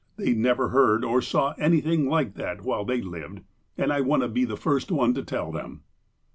They never heard or saw anything like that while they lived, and I want to be the first one to tell them."